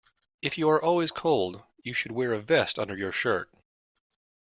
If you are always cold, you should wear a vest under your shirt